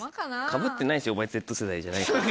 かぶってないしお前Ｚ世代じゃないから。